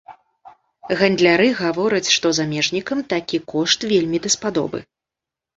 Гандляры гавораць, што замежнікам такі кошт вельмі даспадобы.